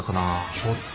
ちょっと。